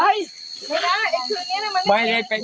ไม่ได้คืนนี้นะมันไม่เป็น